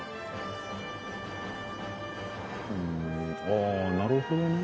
ああなるほどね。